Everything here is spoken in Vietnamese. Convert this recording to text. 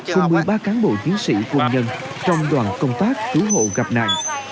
cùng một mươi ba cán bộ chiến sĩ quân nhân trong đoàn công tác cứu hộ gặp nạn